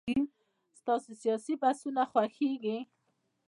ستاسو سياسي بحثونه خوښيږي.